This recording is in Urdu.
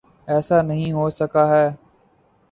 ایسا نہیں ہو سکا ہے۔